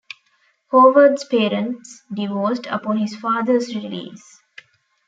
Howard's parents divorced upon his father's release.